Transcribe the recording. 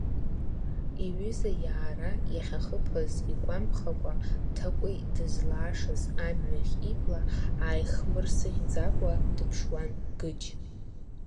Иҩыза иаара иахьахыԥаз игәамԥхакәа, Ҭакәи дызлаашаз амҩахь ибла ааихмырсыӷьӡакәа дыԥшуан Гыџь.